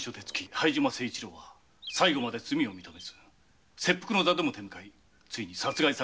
配島誠一郎は最後まで罪を認めず切腹の座でも手向かいついに殺害された由にございます。